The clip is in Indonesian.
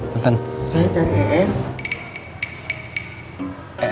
bentar saya cari em